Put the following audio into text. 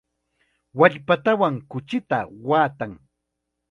Wallpatawan kuchita waatan.